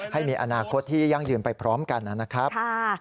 ให้มีอนาคตที่ยั่งยืนไปพร้อมกันนะครับ